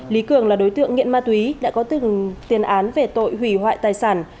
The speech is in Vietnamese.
lý cường là đối tượng nghiện ma túy đã có từng tiền án về tội hủy hoại tài sản